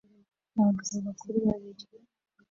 abagabo bakuru babiri